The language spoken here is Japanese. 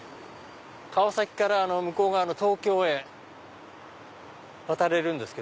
川崎から向こう側の東京へ渡れるんです